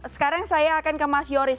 sekarang saya akan ke mas yoris